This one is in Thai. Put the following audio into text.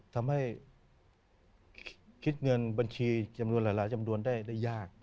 ทำให้คิดเงินบัญชีจำนวนหลายจำนวนได้ยาก